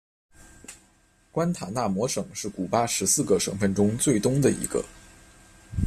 关塔那摩省是古巴十四个省份中最东的一个。